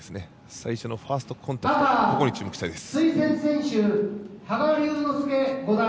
最初のファーストコンタクトに注目したいです。